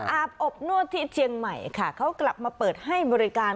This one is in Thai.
อาบอบนวดที่เชียงใหม่ค่ะเขากลับมาเปิดให้บริการ